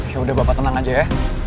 yaudah bapak tenang aja ya